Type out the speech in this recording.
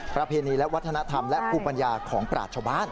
ประเภทนี้และวัฒนธรรมและภูมิปัญญาของประหลาดชาวบ้าน